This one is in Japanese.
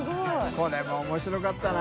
これも面白かったな。